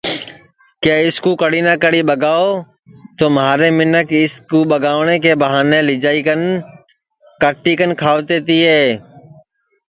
کہ اِس کُو کڑی نہ کڑی ٻگاؤ تو مہارے منکھ اُس کُو ٻگاوٹؔے کے بہانے لیجائی کاٹی کن کھاتے تیے